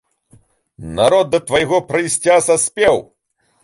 Народ да твайго прыйсця саспеў.